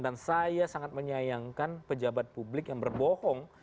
dan saya sangat menyayangkan pejabat publik yang berbohong